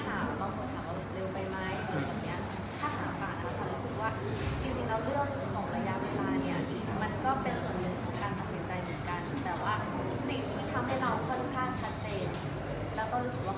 แล้วเราอยากจะใช้ชีวิตเพื่อนเพื่อนก็มีความรู้สึกใครไหน